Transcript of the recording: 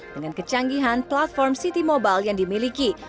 dengan kecanggihan platform city mobile yang dimiliki